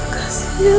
kasih ya allah